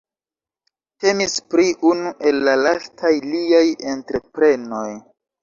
Temis pri unu el la lastaj liaj entreprenoj.